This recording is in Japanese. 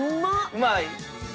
うまい？